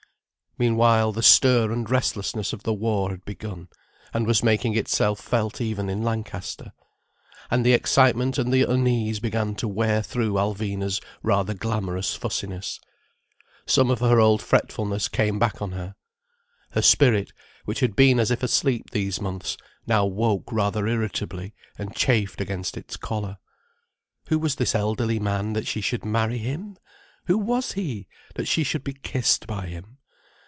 Meanwhile the stir and restlessness of the war had begun, and was making itself felt even in Lancaster. And the excitement and the unease began to wear through Alvina's rather glamorous fussiness. Some of her old fretfulness came back on her. Her spirit, which had been as if asleep these months, now woke rather irritably, and chafed against its collar. Who was this elderly man, that she should marry him? Who was he, that she should be kissed by him.